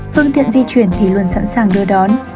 phương tiện di chuyển thì luôn sẵn sàng đưa đón